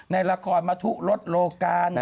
ในละครมาทุลดโลการ